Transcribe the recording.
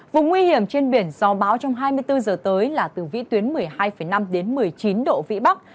vùng nguy hiểm trên biển do bão trong hai mươi bốn h tới là từ vĩ tuyến một mươi hai năm một mươi chín độ vị bắc